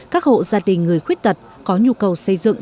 các hộ gia đình người khuyết tật có nhu cầu xây dựng